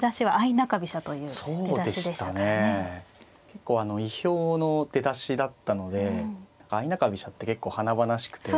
結構あの意表の出だしだったので相中飛車って結構華々しくて。